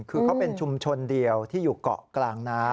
คือเขาเป็นชุมชนเดียวที่อยู่เกาะกลางน้ำ